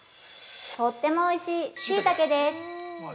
とってもおいしいしいたけです。